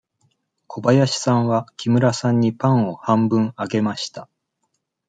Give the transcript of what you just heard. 小林さんは木村さんにパンを半分あげました。